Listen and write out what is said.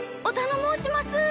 おたの申します！